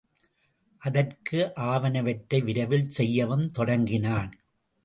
அதற்கு ஆவனவற்றை விரைவில் செய்யவும் தொடங்கினான்.